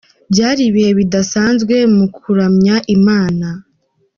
Byari ibihe bidasanzwe mu kuramya Imana,.